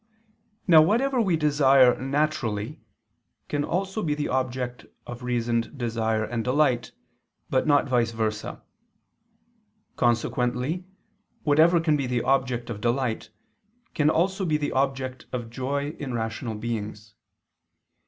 Now whatever we desire naturally, can also be the object of reasoned desire and delight, but not vice versa. Consequently whatever can be the object of delight, can also be the object of joy in rational beings.